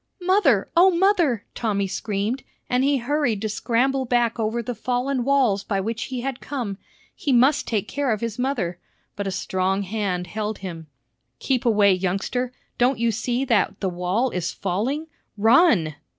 "Mother! O mother!" Tommy screamed, and he hurried to scramble back over the fallen walls by which he had come. He must take care of his mother. But a strong hand held him. "Keep away, youngster. Don't you see that the wall is falling! Run!"